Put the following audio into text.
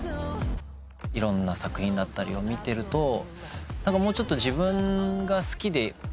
いろんな作品だったりを見てるともうちょっと自分が好きであるもの。